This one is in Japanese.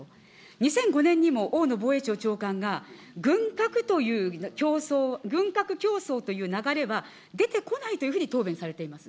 ２００５年にもおおの防衛庁長官が軍拡という競争、軍拡競争という流れは、出てこないというふうに答弁されています。